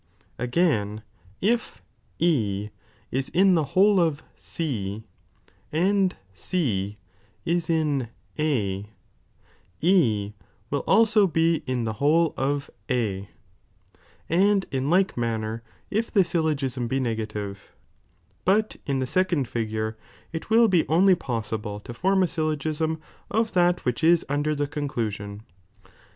Agftin, if E ia in the whole of C, and C is in A, E will also be in the whole of A, and in like manner if the ayUoglsm be negative ; but in the second figure it will be only poaaible to form a sjUogism of that which is under the conclusion.